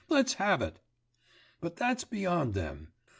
let's have it!" But that's beyond them!